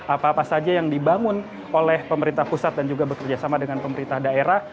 apa apa saja yang dibangun oleh pemerintah pusat dan juga bekerjasama dengan pemerintah daerah